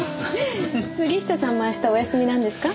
杉下さんも明日お休みなんですか？